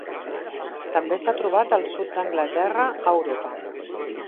També s'ha trobat al sud d'Anglaterra a Europa.